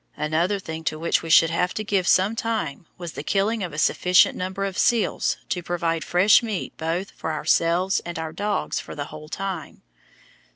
Another thing to which we should have to give some time was the killing of a sufficient number of seals to provide fresh meat both for ourselves and our dogs for the whole time.